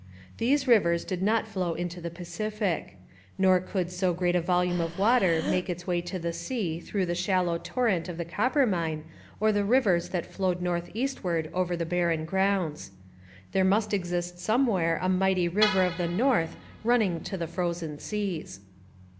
These rivers did not flow into the Pacific. Nor could so great a volume of water make its way to the sea through the shallow torrent of the Coppermine or the rivers that flowed north eastward over the barren grounds. There must exist somewhere a mighty river of the north running to the frozen seas.